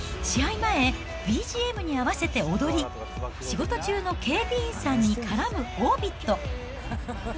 前、ＢＧＭに合わせて踊り、仕事中の警備員さんに絡むオービット。